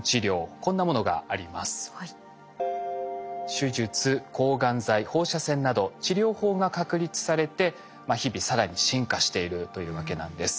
手術抗がん剤放射線など治療法が確立されて日々更に進化しているというわけなんです。